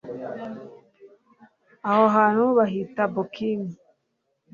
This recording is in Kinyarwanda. aho hantu bahita bokimu